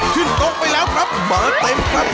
ขึ้นตรงไปแล้วครับมาเต็มครับ